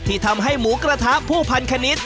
ทำให้หมูกระทะผู้พันคณิต